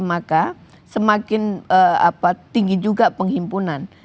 maka semakin tinggi juga penghimpunan